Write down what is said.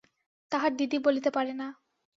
তাহার দিদি বলিতে পারে না।